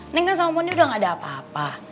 neng kan sama muni udah gak ada apa apa